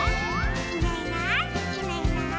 「いないいないいないいない」